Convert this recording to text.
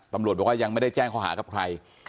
ตำรวจบอกว่ายังไม่ได้แจ้งข้อหากับใคร